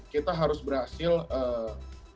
kita harus berhasil memenangkan